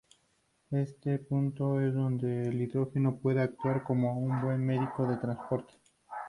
Este punto es donde el hidrógeno puede actuar como un buen medio de transporte.